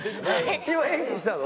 今演技したの？